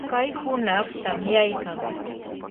kay hunaq tamyaykan.